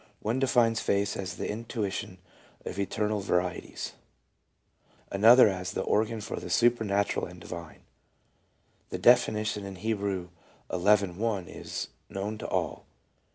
One defines Faith as " the intuition of eternal veri ties," another as "the organ for the supernatural and divine ;" the definition in Hebrews xi: 1 is known to all.